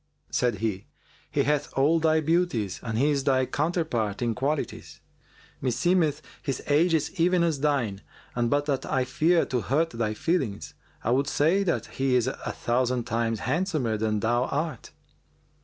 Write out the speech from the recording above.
Said he, "He hath all thy beauties; and he is thy counterpart in qualities. Meseemeth his age is even as thine and but that I fear to hurt thy feelings, I would say that he is a thousand times handsomer than thou art."